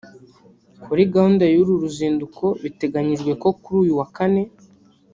Kuri gahunda y’uru ruzinduko biteganyijwe ko kuri uyu wa Kane